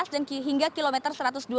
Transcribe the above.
dan hingga kilometer satu ratus dua puluh lima